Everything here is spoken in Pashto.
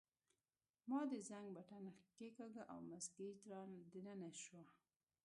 ما د زنګ بټن کښېکاږه او مس ګېج را دننه شوه.